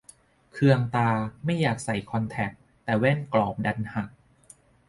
เคืองตาไม่อยากใส่คอนแทค แต่แว่นกรอบดันหัก